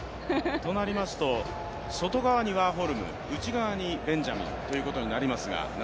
となりますと、外側にワーホルム、内側にベンジャミンということになりますが７